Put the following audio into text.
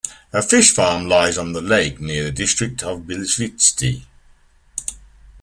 A fish farm lies on the lake near the district of Bilshivtsi.